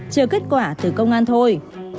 chờ kết quả từ công an thôi